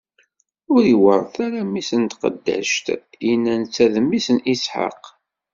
Ur iweṛṛet ara mmi-s n tqeddact-inna netta d mmi Isḥaq!